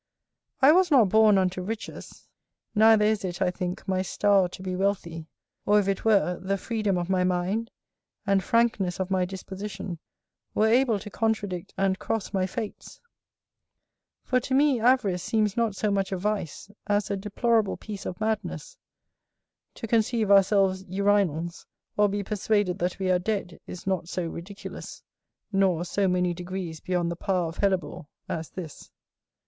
I was not born unto riches, neither is it, I think, my star to be wealthy; or if it were, the freedom of my mind, and frankness of my disposition, were able to contradict and cross my fates: for to me avarice seems not so much a vice, as a deplorable piece of madness; to conceive ourselves urinals, or be persuaded that we are dead, is not so ridiculous, nor so many degrees beyond the power of hellebore, as this.